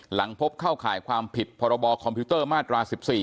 หลังพบเข้าข่ายความผิดพรบคอมพิวเตอร์มาตรา๑๔